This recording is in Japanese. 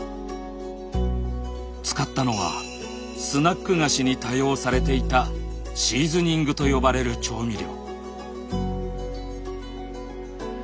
使ったのはスナック菓子に多用されていたシーズニングと呼ばれる調味料。